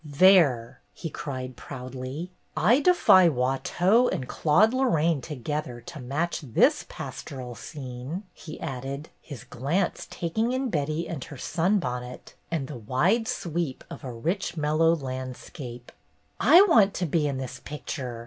"There!" he cried proudly. "I defy Watteau and Claude Lorrain together to match this pastoral scene!" he added, his glance taking in Betty and her sunbonnet and the wide sweep of a rich, mellow land scape. "I want to be in this picture!"